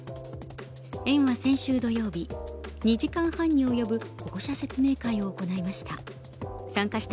園は先週土曜日、２時間半に及ぶ保護者説明会を行いました。